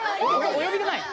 およびでない？